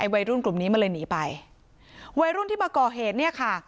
วัยรุ่นกลุ่มนี้มันเลยหนีไปวัยรุ่นที่มาก่อเหตุเนี่ยค่ะ